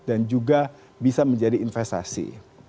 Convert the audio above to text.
juga bisa menjadi investasi